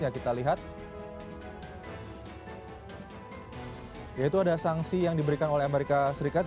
yaitu ada sanksi yang diberikan oleh amerika serikat